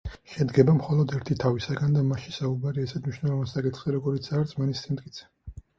შედგება მხოლოდ ერთი თავისაგან და მასში საუბარია ისეთ მნიშვნელოვან საკითხზე, როგორიცაა რწმენის სიმტკიცე.